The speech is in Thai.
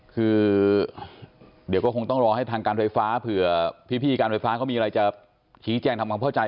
คือเดี๋ยวก็คงต้องรอให้ทางการไฟฟ้าเผื่อพี่การไฟฟ้าเขามีอะไรจะชี้แจ้งทำความเข้าใจ